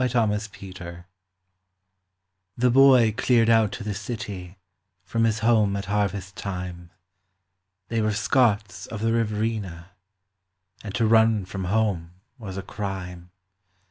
9 Autoplay The boy cleared out to the city from his home at harvest time They were Scots of the Riverina, and to run from home was a crime.